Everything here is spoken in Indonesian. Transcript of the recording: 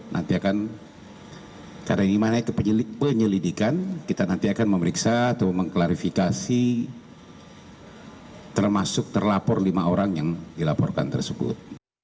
nanti akan karena ini mana ke penyelidikan kita nanti akan memeriksa atau mengklarifikasi termasuk terlapor lima orang yang dilaporkan tersebut